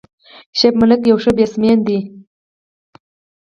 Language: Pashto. شعیب ملک یو ښه بیټسمېن دئ.